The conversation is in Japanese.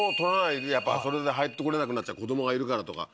「それで入ってこれなくなっちゃう子どもがいるから」とか。